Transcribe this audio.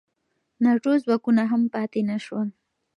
ناټو ځواکونه هم پاتې نه شول.